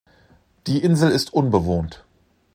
Die Insel ist unbewohnt.